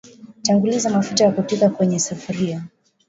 Tanguliza mafuta ya kupikia kwenye sufuria